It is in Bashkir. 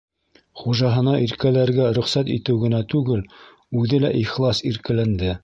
Хужаһына иркәләргә рөхсәт итеү генә түгел, үҙе лә ихлас иркәләнде.